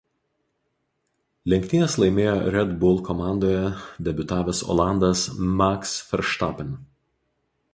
Lenktynes laimėjo Red Bull komandoje debiutavęs olandas Max Verstappen.